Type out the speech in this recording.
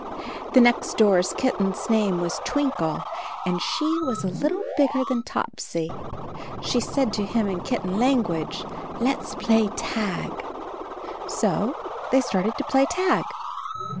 The next door kitten's name was Twinkle, and she was a little bigger than Topsy. She said to him in kitten language, "Let's play tag." So they started to play tag.